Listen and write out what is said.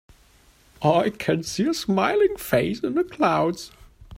I can see a smiling face in the clouds.